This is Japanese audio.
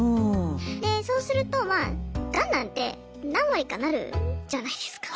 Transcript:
でそうするとまあガンなんて何割かなるじゃないですか。